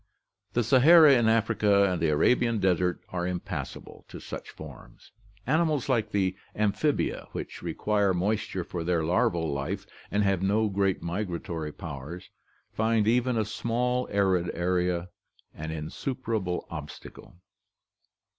The Sahara in Africa and the Arabian desert are impassable to such forms. Animals like the amphibia, which require moisture for their larval life and have no great migratory powers, find even a small arid area an insuperable obstacle.